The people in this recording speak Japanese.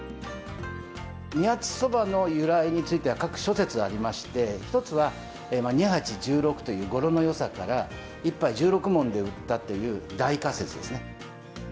二八そばの由来については、各諸説ありまして、一つは、にはち１６という語呂のよさから、１杯１６文で売ったという代価説ですね。